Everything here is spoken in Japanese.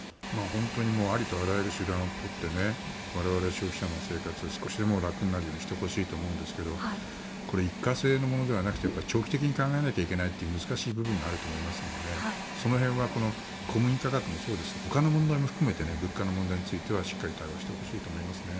本当にありとあらゆる手段を取って我々消費者の生活を少しでも楽になるようにしてほしいと思うんですがこれ一過性のものではなくて長期的に考えなきゃいけないという難しい部分があると思いますのでその辺は小麦価格もそうですがほかの問題も含めて物価の問題についてはしっかり対応してほしいと思います。